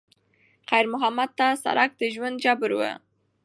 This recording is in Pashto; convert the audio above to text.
خیر محمد ته سړک د ژوند جبر و.